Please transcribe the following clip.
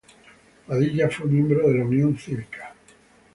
Padilla fue miembro de la Unión Cívica.